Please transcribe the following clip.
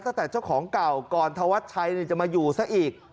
ตั้งแต่เจ้าของเก่ากรณ์ทวัชชัยจะมาอยู่ซะอีก